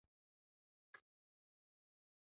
د عراق شمالي او د ایران لوېدیځې سیمې په کې شاملې دي